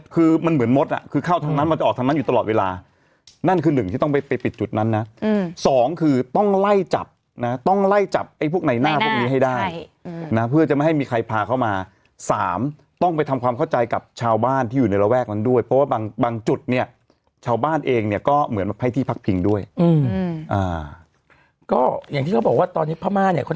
คือมันเหมือนมดอ่ะคือเข้าทางนั้นมันจะออกทางนั้นอยู่ตลอดเวลานั่นคือหนึ่งที่ต้องไปไปปิดจุดนั้นนะสองคือต้องไล่จับนะต้องไล่จับไอ้พวกในหน้าพวกนี้ให้ได้นะเพื่อจะไม่ให้มีใครพาเข้ามาสามต้องไปทำความเข้าใจกับชาวบ้านที่อยู่ในระแวกนั้นด้วยเพราะว่าบางจุดเนี่ยชาวบ้านเองเนี่ยก็เหมือนให้ที่พักพิงด้วยก็อย่างที่เขาบอกว่าตอนนี้พม่าเนี่ยเขา